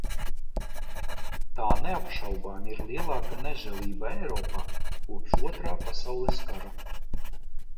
Tā neapšaubāmi ir lielākā nežēlība Eiropā kopš Otrā pasaules kara.